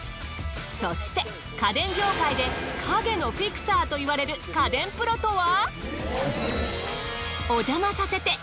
そして家電業界で影のフィクサーといわれる家電プロとは？